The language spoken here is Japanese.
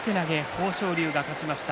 豊昇龍が勝ちました。